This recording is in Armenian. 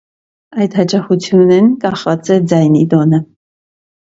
Այդ հաճախութիւնէն կախուած է ձայնի դոնը։